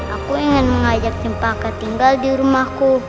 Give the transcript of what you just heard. aku ingin mengajak cempaka tinggal di rumahku